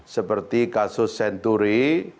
seperti kasus senturi